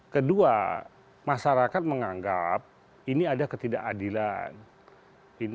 kedua masyarakat menganggap ini ada ketidakadilan